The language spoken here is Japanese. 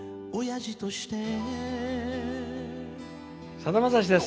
さだまさしです。